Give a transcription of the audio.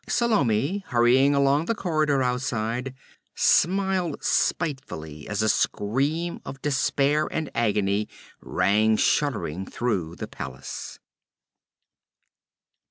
Salome, hurrying along the corridor outside, smiled spitefully as a scream of despair and agony rang shuddering through the palace.